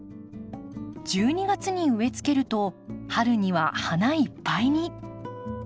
１２月に植えつけると春には花いっぱいに。